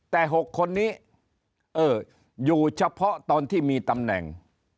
แต่๖คนนี้อยู่เฉพาะตอนที่มีตำแหน่ง